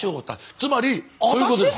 つまりそういうことです。